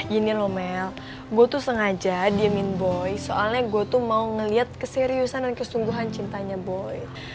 gini loh mail gue tuh sengaja diemin boy soalnya gue tuh mau ngeliat keseriusan dan kesungguhan cintanya boy